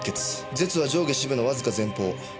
舌は上下歯部のわずか前方。